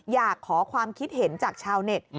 อยากขอความคิดเห็นจากชาวเน็ต